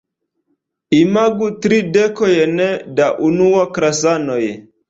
Imagu tri dekojn da unuaklasanoj.